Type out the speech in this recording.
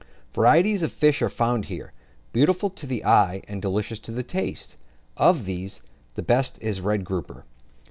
Varieties of fish are found here, beautiful to the eye and delicious to the taste: of these, the best is the red grouper.